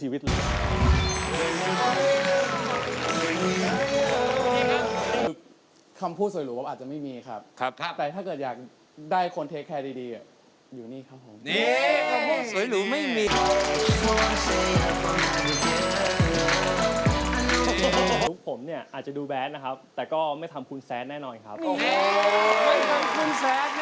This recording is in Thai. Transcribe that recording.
มีคำพูดสวยหรูอาจจะไม่มีครับครับแต่ถ้าเกิดอยากได้คนเทคแคล์ดีอยู่นี่ครับผมเนี่ยอาจจะดูแบบนะครับแต่ก็ไม่ทำคุณแซสแน่นอนครับ